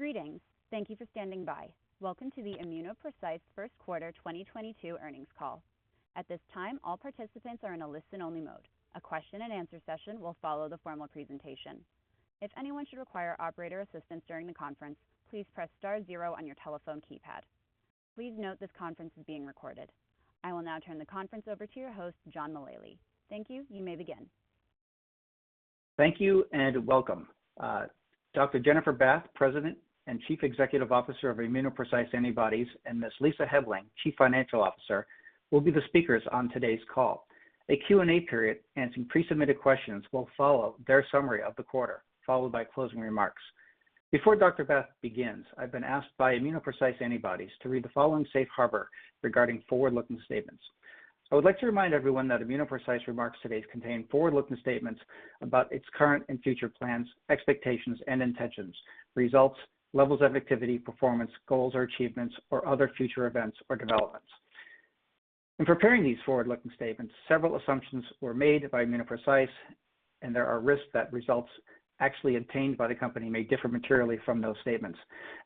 Greetings. Thank you for standing by. Welcome to the ImmunoPrecise first quarter 2022 earnings call. At this time, all participants are in a listen-only mode. A question-and-answer session will follow the formal presentation. If anyone should require operator assistance during the conference, please press star zero on your telephone keypad. Please note this conference is being recorded. I will now turn the conference over to your host, John Mullaly. Thank you. You may begin. Thank you, and welcome. Dr. Jennifer Bath, President and Chief Executive Officer of ImmunoPrecise Antibodies, and Ms. Lisa Helbling, Chief Financial Officer, will be the speakers on today's call. A Q&A period answering pre-submitted questions will follow their summary of the quarter, followed by closing remarks. Before Dr. Bath begins, I've been asked by ImmunoPrecise Antibodies to read the following safe harbor regarding forward-looking statements. I would like to remind everyone that ImmunoPrecise remarks today contain forward-looking statements about its current and future plans, expectations and intentions, results, levels of activity, performance, goals or achievements, or other future events or developments. In preparing these forward-looking statements, several assumptions were made by ImmunoPrecise. There are risks that results actually obtained by the company may differ materially from those statements.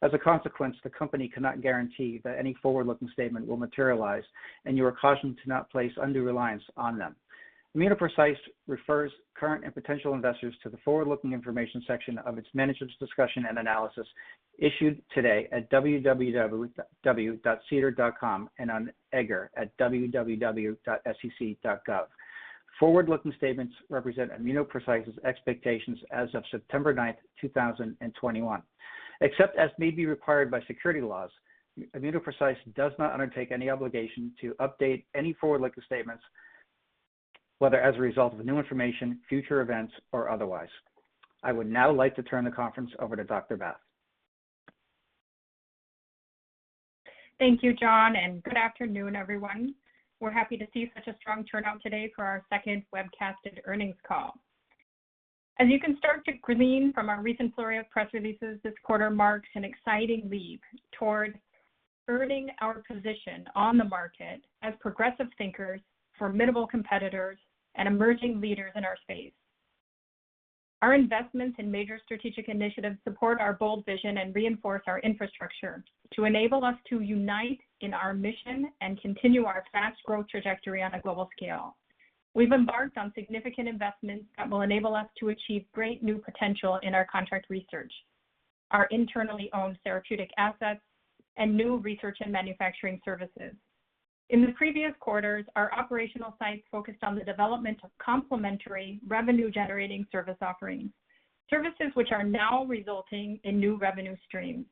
As a consequence, the company cannot guarantee that any forward-looking statement will materialize, and you are cautioned to not place undue reliance on them. ImmunoPrecise refers current and potential investors to the forward-looking information section of its Management's Discussion and Analysis issued today at www.sedar.com and on EDGAR at www.sec.gov. Forward-looking statements represent ImmunoPrecise's expectations as of September 9th, 2021. Except as may be required by security laws, ImmunoPrecise does not undertake any obligation to update any forward-looking statements, whether as a result of new information, future events, or otherwise. I would now like to turn the conference over to Dr. Bath. Thank you, John, and good afternoon, everyone. We're happy to see such a strong turnout today for our second webcasted earnings call. As you can start to glean from our recent flurry of press releases, this quarter marks an exciting leap toward earning our position on the market as progressive thinkers, formidable competitors, and emerging leaders in our space. Our investments in major strategic initiatives support our bold vision and reinforce our infrastructure to enable us to unite in our mission and continue our fast growth trajectory on a global scale. We've embarked on significant investments that will enable us to achieve great new potential in our contract research, our internally owned therapeutic assets, and new research and manufacturing services. In the previous quarters, our operational sites focused on the development of complementary revenue-generating service offerings, services which are now resulting in new revenue streams.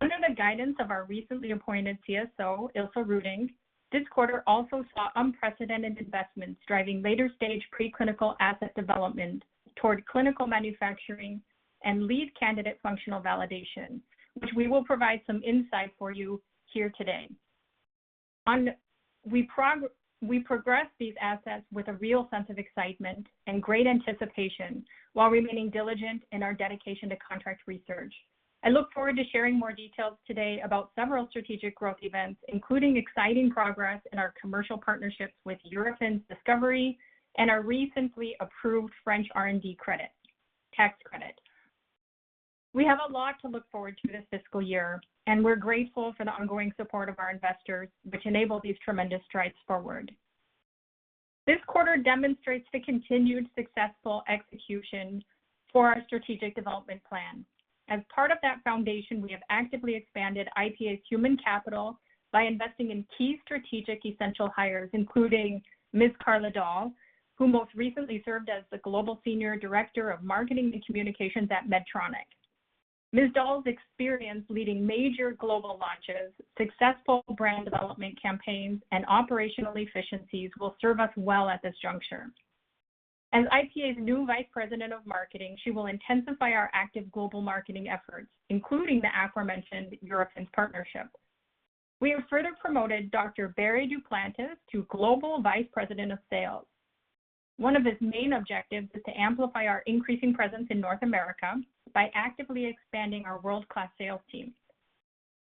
Under the guidance of our recently appointed CSO, Ilse Roodink, this quarter also saw unprecedented investments driving later-stage preclinical asset development toward clinical manufacturing and lead candidate functional validation, which we will provide some insight for you here today. We progress these assets with a real sense of excitement and great anticipation while remaining diligent in our dedication to contract research. I look forward to sharing more details today about several strategic growth events, including exciting progress in our commercial partnerships with Eurofins Discovery and our recently approved French R&D tax credit. We have a lot to look forward to this fiscal year, and we're grateful for the ongoing support of our investors, which enable these tremendous strides forward. This quarter demonstrates the continued successful execution for our strategic development plan. As part of that foundation, we have actively expanded IPA's human capital by investing in key strategic essential hires, including Ms. Carla Dahl, who most recently served as the Global Senior Director of Marketing and Communications at Medtronic. Ms. Dahl's experience leading major global launches, successful brand development campaigns, and operational efficiencies will serve us well at this juncture. As IPA's new Vice President of Marketing, she will intensify our active global marketing efforts, including the aforementioned Eurofins partnership. We have further promoted Dr. Barry Duplantis to Global Vice President of Sales. One of his main objectives is to amplify our increasing presence in North America by actively expanding our world-class sales team.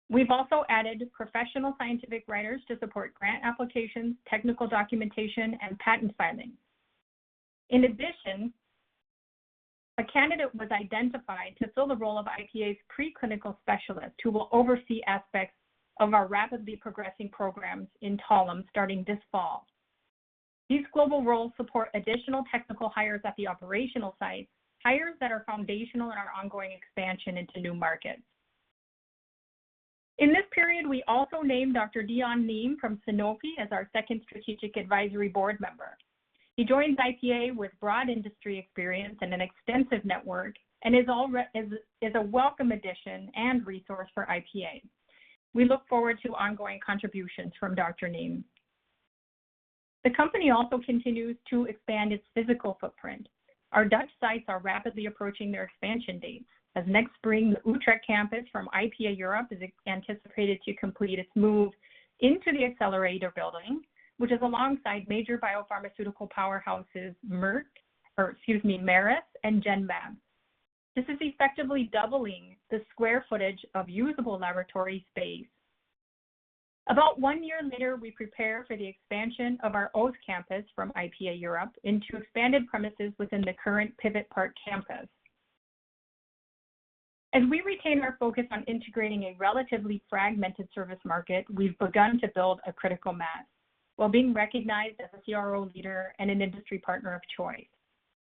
We've also added professional scientific writers to support grant applications, technical documentation, and patent filings. In addition, a candidate was identified to fill the role of IPA's preclinical specialist, who will oversee aspects of our rapidly progressing programs in Talem starting this fall. These global roles support additional technical hires at the operational sites, hires that are foundational in our ongoing expansion into new markets. In this period, we also named Dr. Dion Neame from Sanofi as our second Strategic Advisory Board member. He joins IPA with broad industry experience and an extensive network, and is a welcome addition and resource for IPA. We look forward to ongoing contributions from Dr. Neame. The company also continues to expand its physical footprint. Our Dutch sites are rapidly approaching their expansion dates, as next spring, the Utrecht campus from IPA Europe is anticipated to complete its move into the Accelerator Building, which is alongside major biopharmaceutical powerhouses, Merck, or excuse me, Merus and Genmab. This is effectively doubling the square footage of usable laboratory space. About one year later, we prepare for the expansion of our Oss campus from IPA Europe into expanded premises within the current Pivot Park campus. As we retain our focus on integrating a relatively fragmented service market, we've begun to build a critical mass while being recognized as a CRO leader and an industry partner of choice.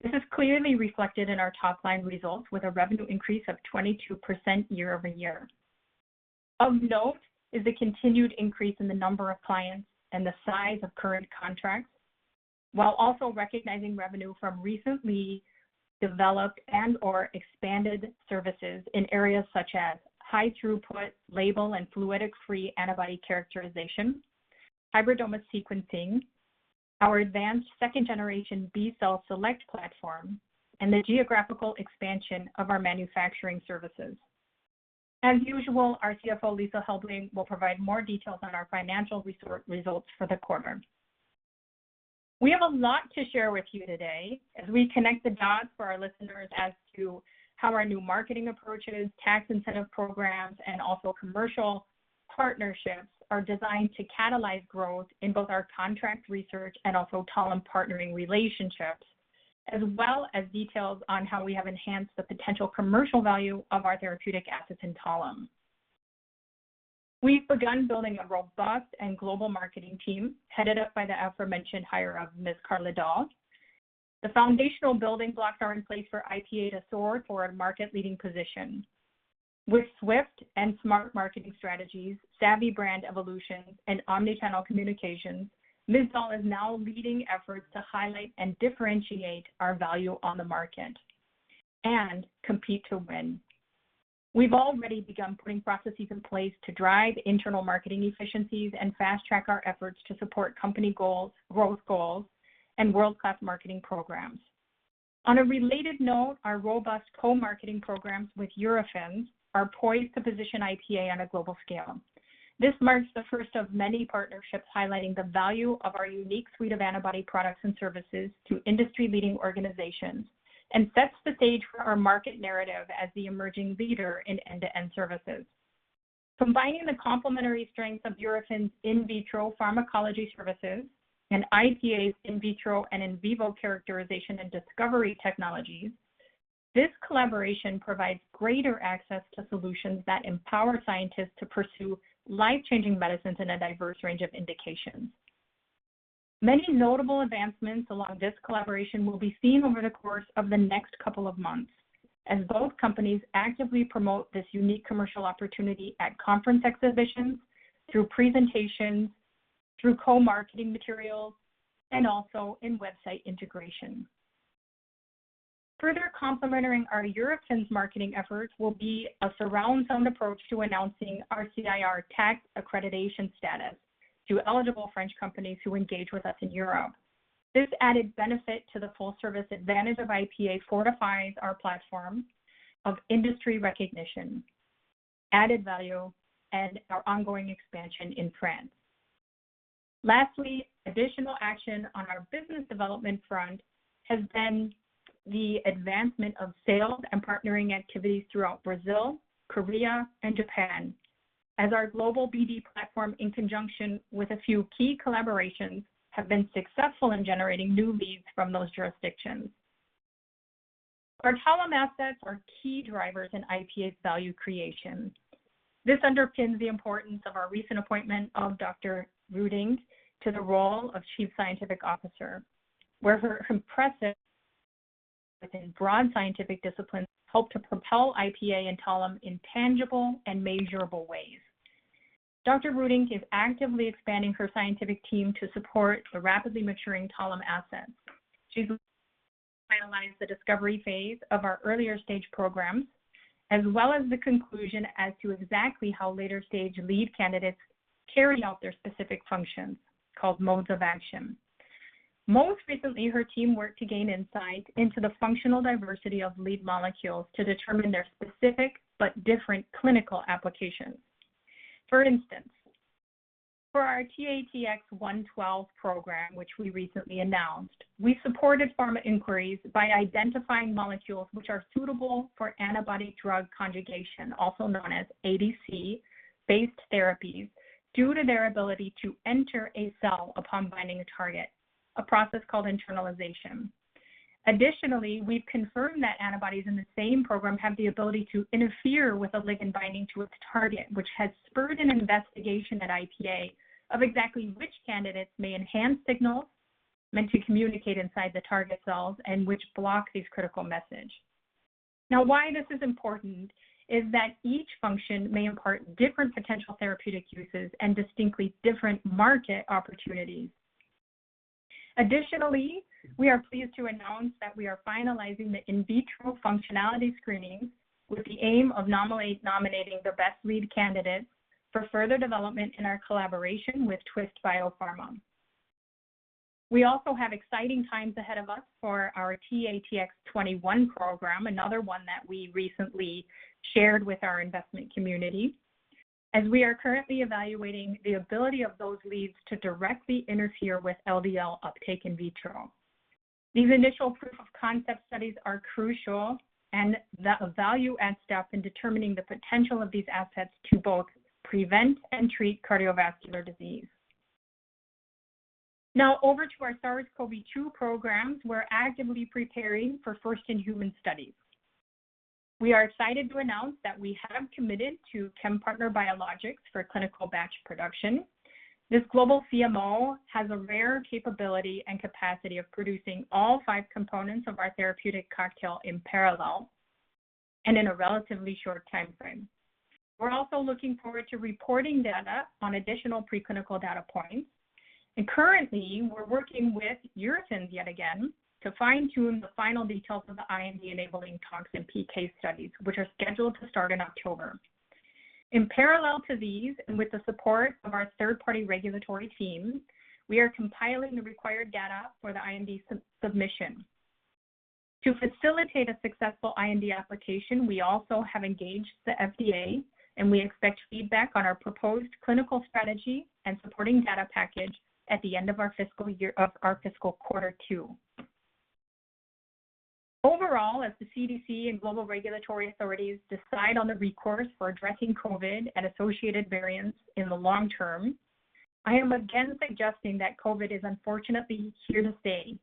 This is clearly reflected in our top-line results, with a revenue increase of 22% year-over-year. Of note is the continued increase in the number of clients and the size of current contracts, while also recognizing revenue from recently developed and/or expanded services in areas such as high throughput label and fluidic-free antibody characterization, hybridoma sequencing, our advanced second generation B-Cell Select platform, and the geographical expansion of our manufacturing services. As usual, our CFO, Lisa Helbling, will provide more details on our financial results for the quarter. We have a lot to share with you today as we connect the dots for our listeners as to how our new marketing approaches, tax incentive programs, and also commercial partnerships are designed to catalyze growth in both our contract research and also Talem partnering relationships, as well as details on how we have enhanced the potential commercial value of our therapeutic assets in Talem. We've begun building a robust and global marketing team, headed up by the aforementioned hire of Ms. Carla Dahl. The foundational building blocks are in place for IPA to soar for a market leading position. With swift and smart marketing strategies, savvy brand evolution, and omni-channel communications, Ms. Dahl is now leading efforts to highlight and differentiate our value on the market and compete to win. We've already begun putting processes in place to drive internal marketing efficiencies and fast-track our efforts to support company goals, growth goals, and world-class marketing programs. On a related note, our robust co-marketing programs with Eurofins are poised to position IPA on a global scale. This marks the first of many partnerships highlighting the value of our unique suite of antibody products and services to industry leading organizations and sets the stage for our market narrative as the emerging leader in end-to-end services. Combining the complementary strengths of Eurofins in vitro pharmacology services and IPA's in vitro and in vivo characterization and discovery technologies, this collaboration provides greater access to solutions that empower scientists to pursue life-changing medicines in a diverse range of indications. Many notable advancements along this collaboration will be seen over the course of the next couple of months as both companies actively promote this unique commercial opportunity at conference exhibitions, through presentations, through co-marketing materials, and also in website integration. Further complementing our Eurofins marketing efforts will be a surround sound approach to announcing our CIR tax accreditation status to eligible French companies who engage with us in Europe. This added benefit to the full service advantage of IPA fortifies our platform of industry recognition, added value, and our ongoing expansion in France. Lastly, additional action on our business development front has been the advancement of sales and partnering activities throughout Brazil, Korea, and Japan as our global BD platform in conjunction with a few key collaborations have been successful in generating new leads from those jurisdictions. Our Talem assets are key drivers in IPA's value creation. This underpins the importance of our recent appointment of Dr. Roodink to the role of Chief Scientific Officer, where her impressive and broad scientific disciplines help to propel IPA and Talem in tangible and measurable ways. Dr. Roodink is actively expanding her scientific team to support the rapidly maturing Talem assets. She's finalized the discovery phase of our earlier stage programs, as well as the conclusion as to exactly how later stage lead candidates carry out their specific functions, called modes of action. Most recently, her team worked to gain insight into the functional diversity of lead molecules to determine their specific but different clinical applications. For instance, for our TATX-112 program, which we recently announced, we supported pharma inquiries by identifying molecules which are suitable for antibody drug conjugation, also known as ADC-based therapies, due to their ability to enter a cell upon binding a target, a process called internalization. Additionally, we've confirmed that antibodies in the same program have the ability to interfere with a ligand binding to its target, which has spurred an investigation at IPA of exactly which candidates may enhance signals meant to communicate inside the target cells and which block these critical message. Why this is important is that each function may impart different potential therapeutic uses and distinctly different market opportunities. Additionally, we are pleased to announce that we are finalizing the in vitro functionality screening with the aim of nominating the best lead candidate for further development in our collaboration with Twist Biopharma. We also have exciting times ahead of us for our TATX-21 program, another one that we recently shared with our investment community, as we are currently evaluating the ability of those leads to directly interfere with LDL uptake in vitro. These initial proof of concept studies are crucial and value add stuff in determining the potential of these assets to both prevent and treat cardiovascular disease. Now over to our SARS-CoV-2 programs, we're actively preparing for first-in-human studies. We are excited to announce that we have committed to ChemPartner Biologics for clinical batch production. This global CMO has a rare capability and capacity of producing all five components of our therapeutic cocktail in parallel and in a relatively short timeframe. We're also looking forward to reporting data on additional preclinical data points. Currently, we're working with Eurofins Discovery yet again to fine-tune the final details of the IND-enabling toxin PK studies, which are scheduled to start in October. In parallel to these, and with the support of our third-party regulatory teams, we are compiling the required data for the IND submission. To facilitate a successful IND application, we also have engaged the FDA. We expect feedback on our proposed clinical strategy and supporting data package at the end of our fiscal quarter two. Overall, as the CDC and global regulatory authorities decide on the recourse for addressing COVID and associated variants in the long term, I am again suggesting that COVID is unfortunately here to stay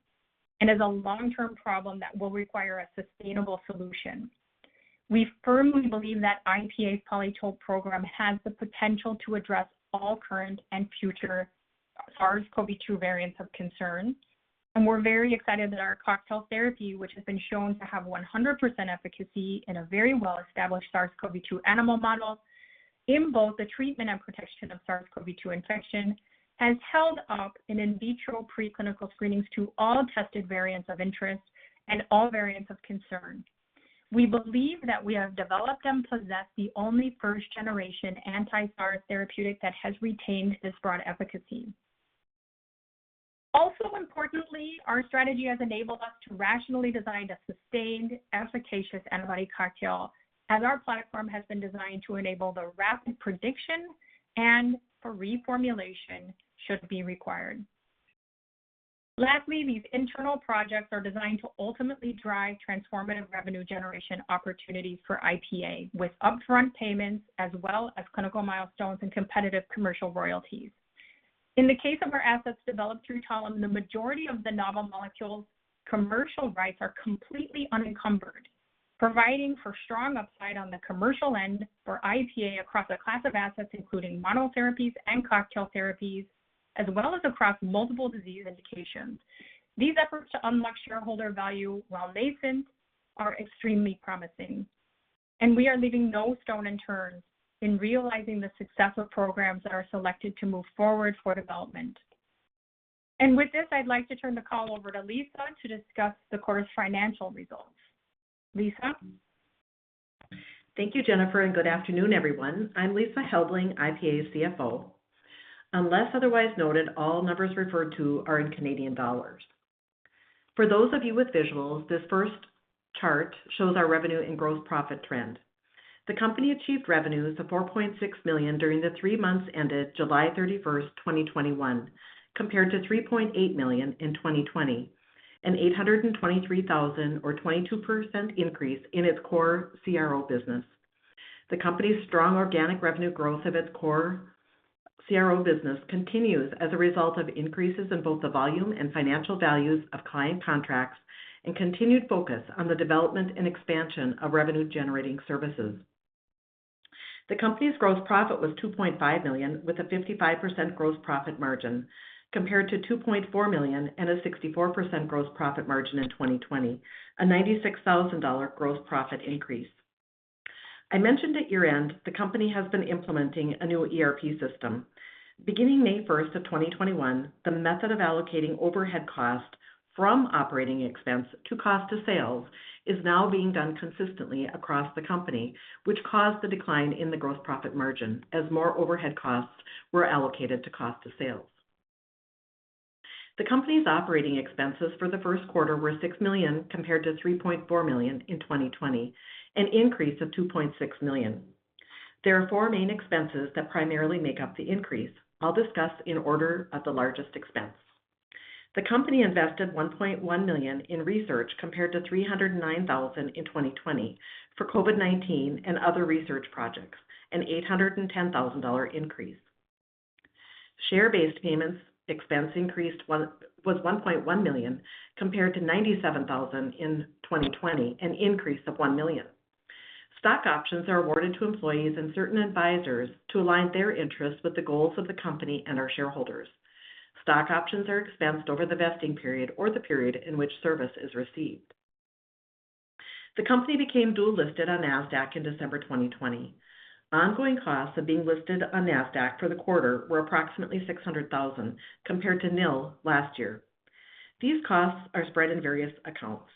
and is a long-term problem that will require a sustainable solution. We firmly believe that IPA's PolyTope program has the potential to address all current and future SARS-CoV-2 variants of concern, and we're very excited that our cocktail therapy, which has been shown to have 100% efficacy in a very well-established SARS-CoV-2 animal model in both the treatment and protection of SARS-CoV-2 infection, has held up in in vitro preclinical screenings to all tested variants of interest and all variants of concern. We believe that we have developed and possess the only first-generation anti-SARS therapeutic that has retained this broad efficacy. Also importantly, our strategy has enabled us to rationally design a sustained, efficacious antibody cocktail as our platform has been designed to enable the rapid prediction and for reformulation should it be required. Lastly, these internal projects are designed to ultimately drive transformative revenue generation opportunities for IPA with upfront payments as well as clinical milestones and competitive commercial royalties. In the case of our assets developed through Talem, the majority of the novel molecules' commercial rights are completely unencumbered, providing for strong upside on the commercial end for IPA across a class of assets including monotherapies and cocktail therapies, as well as across multiple disease indications. These efforts to unlock shareholder value while nascent are extremely promising, and we are leaving no stone unturned in realizing the success of programs that are selected to move forward for development. With this, I'd like to turn the call over to Lisa to discuss the quarter's financial results. Lisa? Thank you, Jennifer, and good afternoon, everyone. I'm Lisa Helbling, IPA's CFO. Unless otherwise noted, all numbers referred to are in Canadian dollars. For those of you with visuals, this first chart shows our revenue and gross profit trend. The company achieved revenues of 4.6 million during the three months ended July 31st, 2021, compared to 3.8 million in 2020, an 823,000 or 22% increase in its core CRO business. The company's strong organic revenue growth of its core CRO business continues as a result of increases in both the volume and financial values of client contracts, and continued focus on the development and expansion of revenue-generating services. The company's gross profit was 2.5 million, with a 55% gross profit margin, compared to 2.4 million and a 64% gross profit margin in 2020, a 96,000 dollar gross profit increase. I mentioned at year-end the company has been implementing a new ERP system. Beginning May 1st of 2021, the method of allocating overhead cost from operating expense to cost of sales is now being done consistently across the company, which caused the decline in the gross profit margin as more overhead costs were allocated to cost of sales. The company's operating expenses for the first quarter were 6 million, compared to 3.4 million in 2020, an increase of 2.6 million. There are four main expenses that primarily make up the increase. I'll discuss in order of the largest expense. The company invested 1.1 million in research, compared to 309,000 in 2020 for COVID-19 and other research projects, an 810,000 dollar increase. Share-based payments expense increased, was 1.1 million, compared to 97,000 in 2020, an increase of 1 million. Stock options are awarded to employees and certain advisors to align their interests with the goals of the company and our shareholders. Stock options are expensed over the vesting period or the period in which service is received. The company became dual-listed on NASDAQ in December 2020. Ongoing costs of being listed on NASDAQ for the quarter were approximately 600,000, compared to nil last year. These costs are spread in various accounts.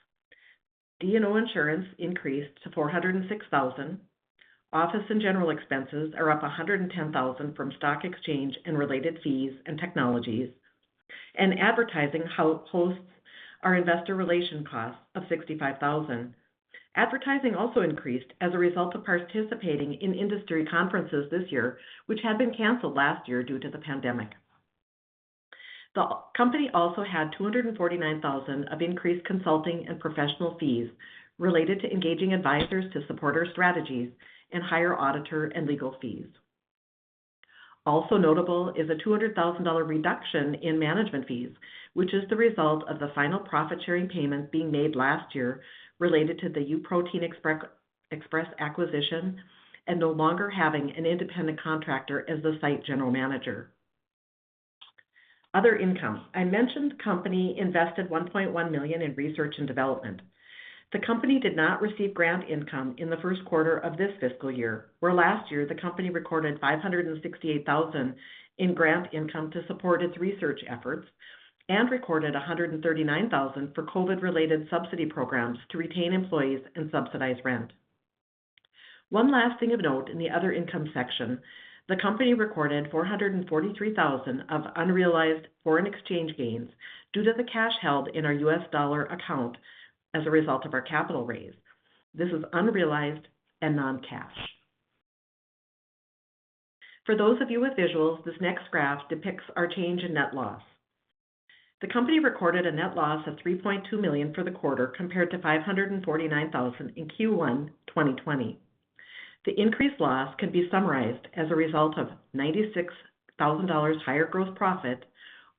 D&O insurance increased to 406,000. Office and general expenses are up 110,000 from stock exchange and related fees and technologies, and advertising hosts our investor relation costs of 65,000. Advertising also increased as a result of participating in industry conferences this year, which had been canceled last year due to the pandemic. The company also had 249,000 of increased consulting and professional fees related to engaging advisors to support our strategies and higher auditor and legal fees. Also notable is a 200,000 dollar reduction in management fees, which is the result of the final profit-sharing payments being made last year related to the U-Protein Express acquisition and no longer having an independent contractor as the site general manager. Other income. I mentioned the company invested 1.1 million in research and development. The company did not receive grant income in the first quarter of this fiscal year, where last year, the company recorded 568,000 in grant income to support its research efforts and recorded 139,000 for COVID-related subsidy programs to retain employees and subsidize rent. One last thing of note in the other income section, the company recorded $443,000 of unrealized foreign exchange gains due to the cash held in our U.S. dollar account as a result of our capital raise. This is unrealized and non-cash. For those of you with visuals, this next graph depicts our change in net loss. The company recorded a net loss of 3.2 million for the quarter compared to 549,000 in Q1 2020. The increased loss can be summarized as a result of 96,000 dollars higher gross profit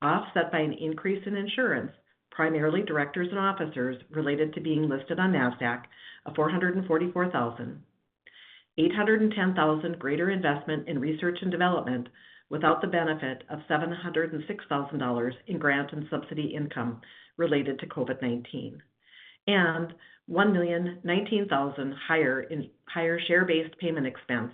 offset by an increase in insurance, primarily directors and officers related to being listed on NASDAQ of 444,000. 810,000 greater investment in research and development without the benefit of 706,000 dollars in grant and subsidy income related to COVID-19, and 1,019,000 higher share-based payment expense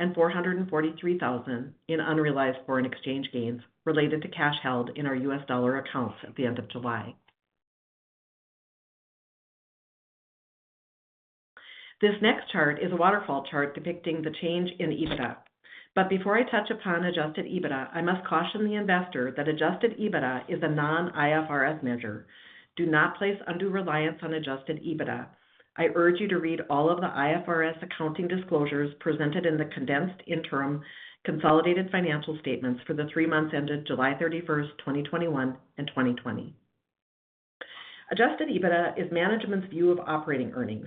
and $443,000 in unrealized foreign exchange gains related to cash held in our U.S. dollar accounts at the end of July. This next chart is a waterfall chart depicting the change in EBITDA. Before I touch upon adjusted EBITDA, I must caution the investor that adjusted EBITDA is a non-IFRS measure. Do not place undue reliance on adjusted EBITDA. I urge you to read all of the IFRS accounting disclosures presented in the condensed interim consolidated financial statements for the three months ended July 31st 2021 and 2020. Adjusted EBITDA is management's view of operating earnings.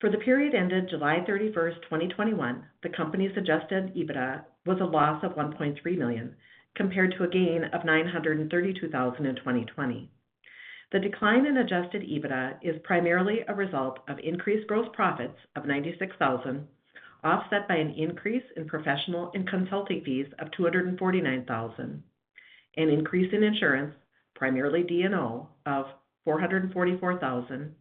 For the period ended July 31st 2021, the company's adjusted EBITDA was a loss of 1.3 million compared to a gain of 932,000 in 2020. The decline in adjusted EBITDA is primarily a result of increased gross profits of 96,000, offset by an increase in professional and consulting fees of 249,000, an increase in insurance, primarily D&O, of 444,000,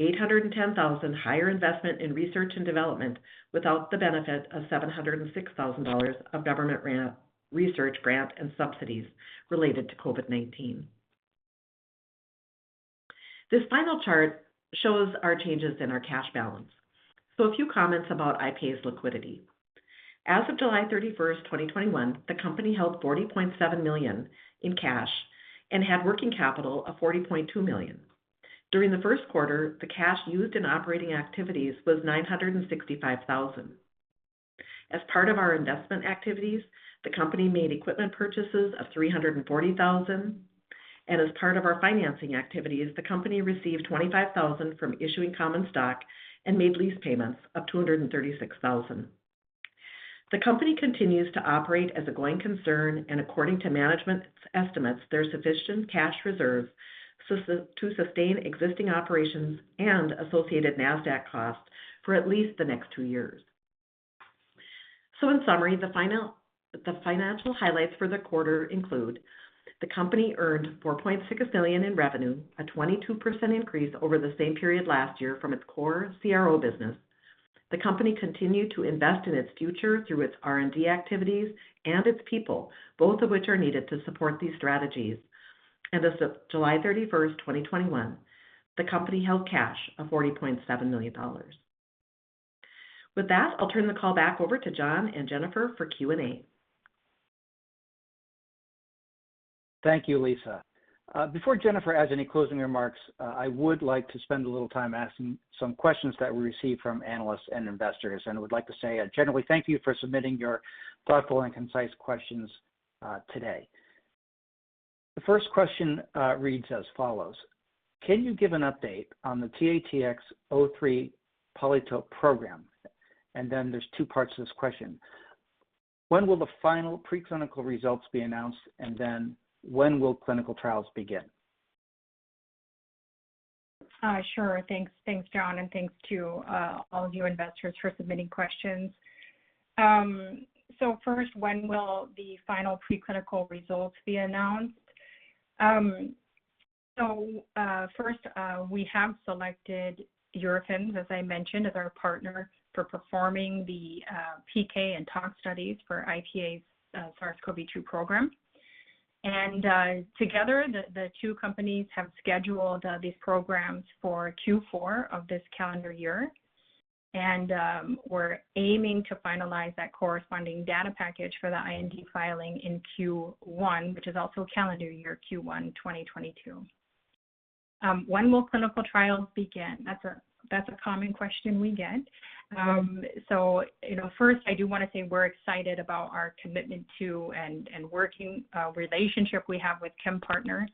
810,000 higher investment in research and development without the benefit of 706,000 dollars of government research grant and subsidies related to COVID-19. This final chart shows our changes in our cash balance. A few comments about IPA's liquidity. As of July 31st, 2021, the company held 40.7 million in cash and had working capital of 40.2 million. During the first quarter, the cash used in operating activities was 965,000. As part of our investment activities, the company made equipment purchases of 340,000, and as part of our financing activities, the company received 25,000 from issuing common stock and made lease payments of 236,000. The company continues to operate as a going concern, and according to management's estimates, there are sufficient cash reserves to sustain existing operations and associated NASDAQ costs for at least the next two years. In summary, the financial highlights for the quarter include the company earned 4.6 million in revenue, a 22% increase over the same period last year from its core CRO business. The company continued to invest in its future through its R&D activities and its people, both of which are needed to support these strategies. As of July 31st 2021, the company held cash of 40.7 million dollars. With that, I'll turn the call back over to John and Jennifer for Q&A. Thank you, Lisa. Before Jennifer adds any closing remarks, I would like to spend a little time asking some questions that we received from analysts and investors, and I would like to say generally thank you for submitting your thoughtful and concise questions today. The first question reads as follows: Can you give an update on the TATX-03 PolyTope program? There's two parts to this question. When will the final preclinical results be announced, and then when will clinical trials begin? Sure. Thanks, John, and thanks to all of you investors for submitting questions. First, when will the final preclinical results be announced? First, we have selected Eurofins, as I mentioned, as our partner for performing the PK and tox studies for IPA's SARS-CoV-2 program. Together, the two companies have scheduled these programs for Q4 of this calendar year. We're aiming to finalize that corresponding data package for the IND filing in Q1, which is also calendar year Q1 2022. When will clinical trials begin? That's a common question we get. First, I do want to say we're excited about our commitment to and working relationship we have with ChemPartner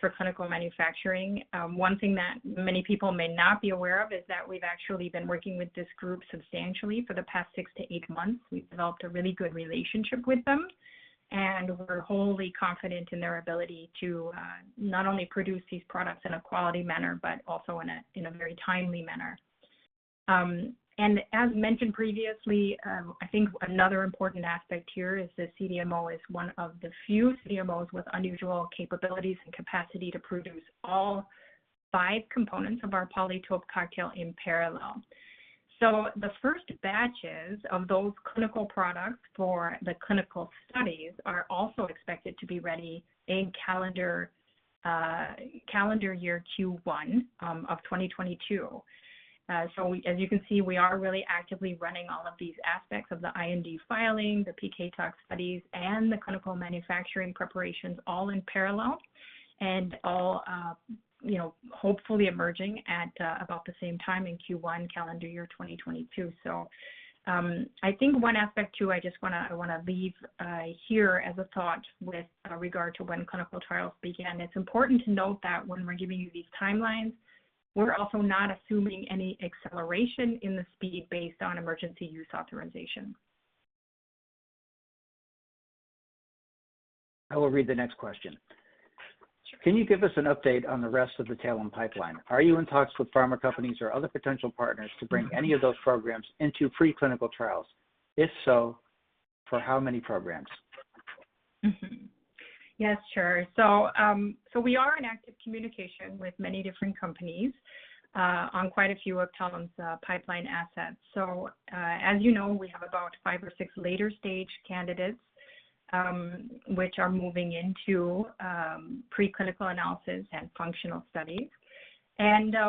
for clinical manufacturing. One thing that many people may not be aware of is that we've actually been working with this group substantially for the past six to eight months. We've developed a really good relationship with them, we're wholly confident in their ability to not only produce these products in a quality manner, but also in a very timely manner. As mentioned previously, I think another important aspect here is that CDMO is one of the few CDMOs with unusual capabilities and capacity to produce all five components of our PolyTope cocktail in parallel. The first batches of those clinical products for the clinical studies are also expected to be ready in calendar year Q1 of 2022. As you can see, we are really actively running all of these aspects of the IND filing, the PK tox studies, and the clinical manufacturing preparations all in parallel. All hopefully emerging at about the same time in Q1 calendar year 2022. I think one aspect, too, I just want to leave here as a thought with regard to when clinical trials begin. It's important to note that when we're giving you these timelines, we're also not assuming any acceleration in the speed based on emergency use authorization. I will read the next question. Sure. Can you give us an update on the rest of the Talem pipeline? Are you in talks with pharma companies or other potential partners to bring any of those programs into preclinical trials? If so, for how many programs? Yes, sure. We are in active communication with many different companies on quite a few of Talem's pipeline assets. As you know, we have about five or six later-stage candidates, which are moving into preclinical analysis and functional studies.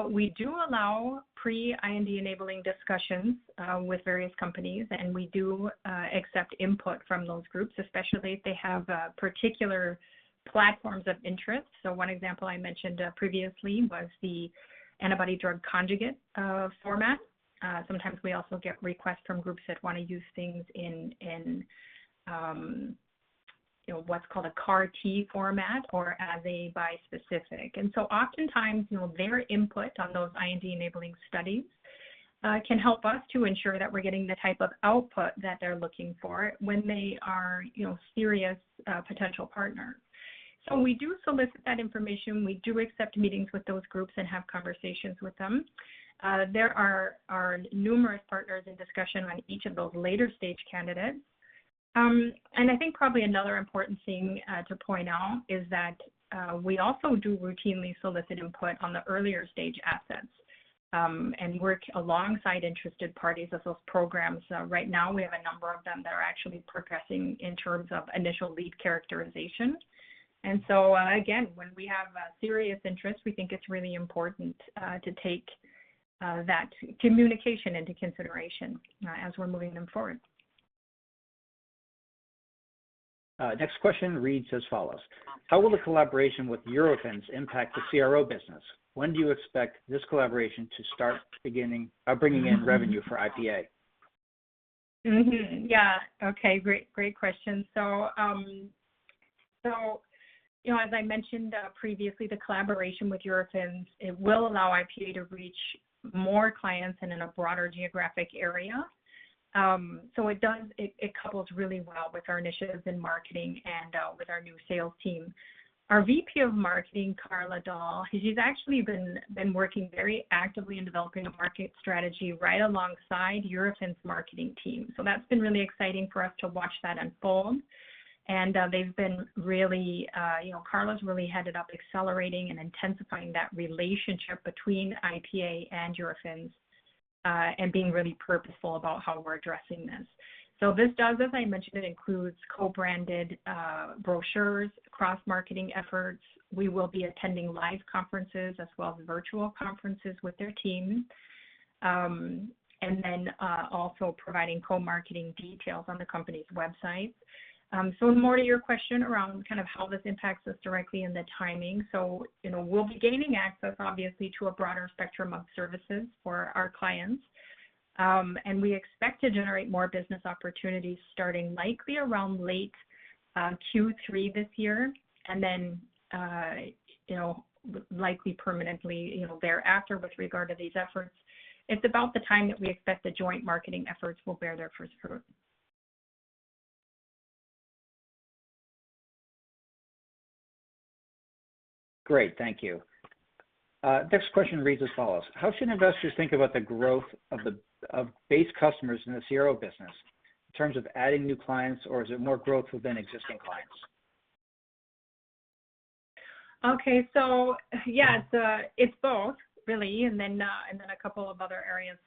We do allow pre-IND-enabling discussions with various companies, and we do accept input from those groups, especially if they have particular platforms of interest. One example I mentioned previously was the antibody drug conjugate format. Sometimes we also get requests from groups that want to use things in what's called a CAR T format or as a bispecific. Oftentimes, their input on those IND-enabling studies can help us to ensure that we're getting the type of output that they're looking for when they are a serious potential partner. We do solicit that information. We do accept meetings with those groups and have conversations with them. There are numerous partners in discussion on each of those later-stage candidates. I think probably another important thing to point out is that we also do routinely solicit input on the earlier-stage assets, and work alongside interested parties of those programs. Right now, we have a number of them that are actually progressing in terms of initial lead characterization. Again, when we have serious interest, we think it's really important to take that communication into consideration as we're moving them forward. Next question reads as follows. How will the collaboration with Eurofins impact the CRO business? When do you expect this collaboration to start bringing in revenue for IPA? Mm-hmm. Yeah. Okay, great question. As I mentioned previously, the collaboration with Eurofins will allow IPA to reach more clients and in a broader geographic area. It couples really well with our initiatives in marketing and with our new sales team. Our VP of Marketing, Carla Dahl, she's actually been working very actively in developing a market strategy right alongside Eurofins' marketing team. That's been really exciting for us to watch that unfold, and Carla's really headed up accelerating and intensifying that relationship between IPA and Eurofins, and being really purposeful about how we're addressing this. This does, as I mentioned, includes co-branded brochures, cross-marketing efforts. We will be attending live conferences as well as virtual conferences with their teams. Also providing co-marketing details on the company's website. More to your question around how this impacts us directly and the timing. We'll be gaining access, obviously, to a broader spectrum of services for our clients. We expect to generate more business opportunities starting likely around late Q3 this year. Then likely permanently thereafter with regard to these efforts. It's about the time that we expect the joint marketing efforts will bear their first fruit. Great. Thank you. Next question reads as follows. How should investors think about the growth of base customers in the CRO business in terms of adding new clients, or is it more growth within existing clients? Okay. Yeah, it's both really, and then a couple of other areas.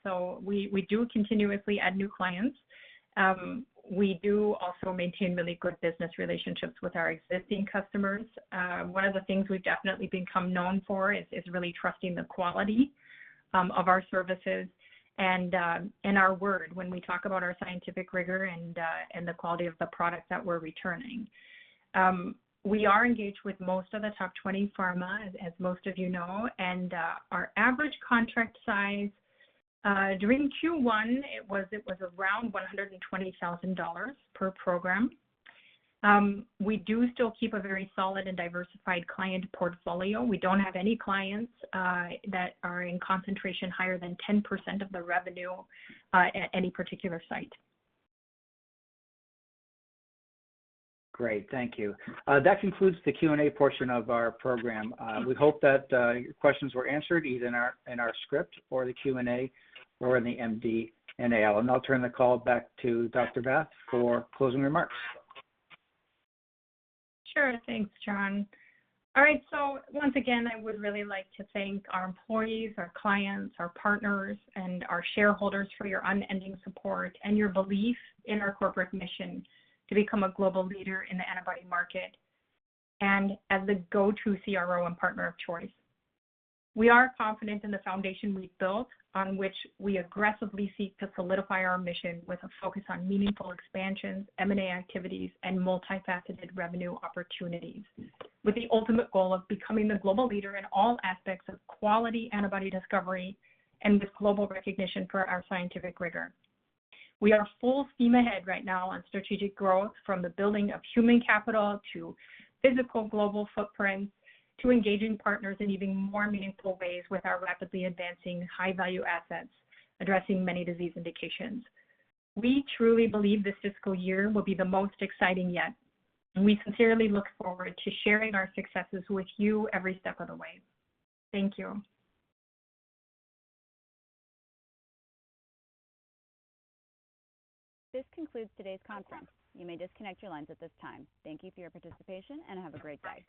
We do continuously add new clients. We do also maintain really good business relationships with our existing customers. One of the things we've definitely become known for is really trusting the quality of our services and our word when we talk about our scientific rigor and the quality of the product that we're returning. We are engaged with most of the top 20 pharma, as most of you know, and our average contract size during Q1, it was around 120,000 dollars per program. We do still keep a very solid and diversified client portfolio. We don't have any clients that are in concentration higher than 10% of the revenue at any particular site. Great, thank you. That concludes the Q&A portion of our program. We hope that your questions were answered, either in our script or the Q&A or in the MD&A. I'll turn the call back to Dr. Bath for closing remarks. Sure. Thanks, John. All right, once again, I would really like to thank our employees, our clients, our partners, and our shareholders for your unending support and your belief in our corporate mission to become a global leader in the antibody market, and as the go-to CRO and partner of choice. We are confident in the foundation we've built on which we aggressively seek to solidify our mission with a focus on meaningful expansions, M&A activities, and multifaceted revenue opportunities, with the ultimate goal of becoming the global leader in all aspects of quality antibody discovery and with global recognition for our scientific rigor. We are full steam ahead right now on strategic growth from the building of human capital to physical global footprint, to engaging partners in even more meaningful ways with our rapidly advancing high-value assets addressing many disease indications. We truly believe this fiscal year will be the most exciting yet, and we sincerely look forward to sharing our successes with you every step of the way. Thank you. This concludes today's conference. You may disconnect your lines at this time. Thank you for your participation, and have a great day.